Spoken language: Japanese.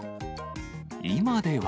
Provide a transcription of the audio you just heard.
今では。